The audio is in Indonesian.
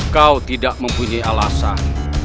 kau tidak mempunyai alasan